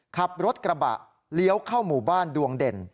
ขับรถกระบะเลี้ยวเข้าหมู่บ้านดวงเด่น